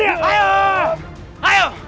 saya banyak sekali mencintai isturu